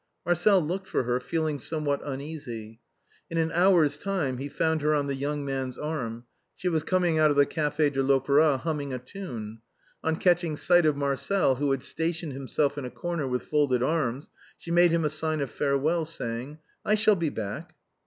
Marcel looked for her, feeling somewhat uneasv. In DONEO GBATUS. 189 an hour's time he found her on the young man's arm ; she was coming out of the Café de l'Opéra, humming a tune. On catching sight of Marcel, who had stationed himself in a corner with folded arms, she made him a sign of fare well, saying —" I shall be back."